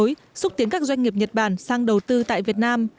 phối xúc tiến các doanh nghiệp nhật bản sang đầu tư tại việt nam